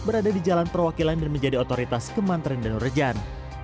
berada di jalan perwakilan dan menjadi otoritas kemanteran dan rejan